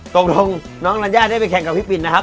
ตกลงน้องรัญญาได้ไปแข่งกับฟิลิปปินสนะครับ